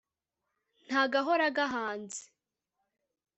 nta gahora gahanze